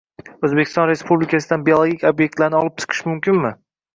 O’zbekiston Respublikasidan biologik ob’ektlarni olib chiqish mumkinmi?